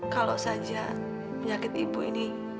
kalau saja penyakit ibu ini